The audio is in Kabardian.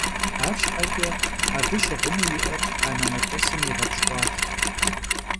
Arşheç'e abı şığınu yi'er anenep'esım yiğepşk'uat.